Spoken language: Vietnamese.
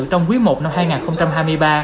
trong quý i năm hai nghìn hai mươi ba